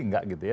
enggak gitu ya